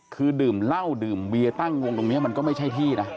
คือดื่มเหล้าดื่มเบียตั้งวงตรงนี้มันก็ไม่ใช่ที่นะ